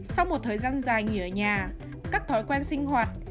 sau một thời gian dài nghỉ ở nhà các thói quen sinh hoạt